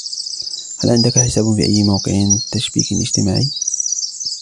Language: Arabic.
هل عندك حساب في أي موقع تشبيك اجتماعي ؟